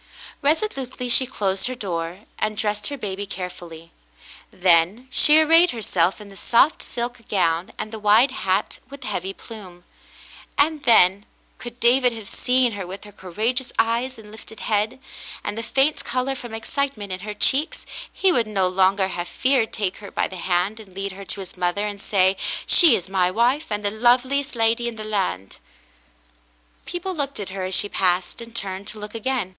Resolutely she closed her door, and dressed her baby carefully ; then she arrayed herself in the soft silk gown, and the wide hat with the heavy plume, and then — could David have seen her with her courageous eyes and lifted head, and the faint color from excitement in her cheeks — he would no longer have feared to take her by the hand and lead her to his mother and say, "She is my wife, and the loveliest lady in the land." People looked at her as she passed, and turned to look again.